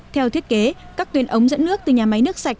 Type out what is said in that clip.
theo thiết kế các tuyến ống dẫn nước từ nhà máy nước sạch